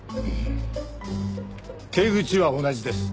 手口は同じです。